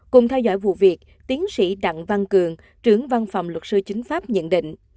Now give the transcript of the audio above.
cùng theo dõi vụ việc tiến sĩ đặng văn cường trưởng văn phòng luật sư chính pháp nhận định